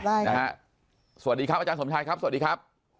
สวัสดีครับอาจารย์สมชายครับสวัสดีครับ